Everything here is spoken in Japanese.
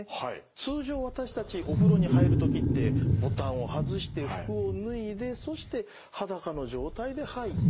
通常私たちお風呂に入る時ってボタンを外して服を脱いでそして裸の状態で入って。